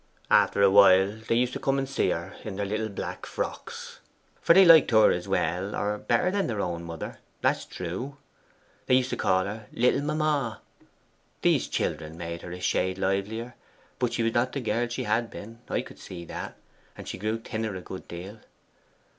After a while they used to come and see her in their little black frocks, for they liked her as well or better than their own mother that's true. They used to call her "little mamma." These children made her a shade livelier, but she was not the girl she had been I could see that and she grew thinner a good deal.